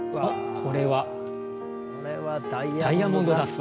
これはダイヤモンドダスト。